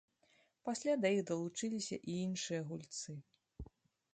Пасля да іх далучыліся і іншыя гульцы.